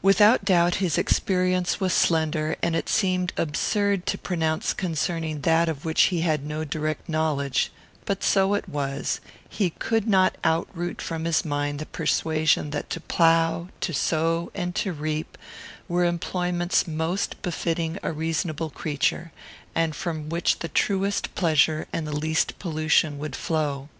Without doubt his experience was slender, and it seemed absurd to pronounce concerning that of which he had no direct knowledge; but so it was, he could not outroot from his mind the persuasion that to plough, to sow, and to reap, were employments most befitting a reasonable creature, and from which the truest pleasure and the least pollution would flow.